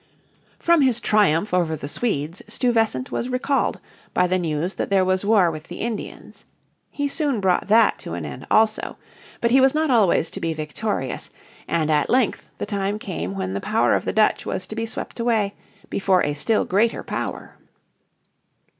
From his triumph over the Swedes Stuyvesant was recalled by the news that there was war with the Indians. He soon brought that to an end also. But he was not always to be victorious, and at length the time came when the power of the Dutch was to be swept away before a still greater power.